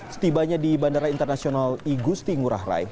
setibanya di bandara internasional igusti ngurah rai